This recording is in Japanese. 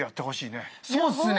そうっすね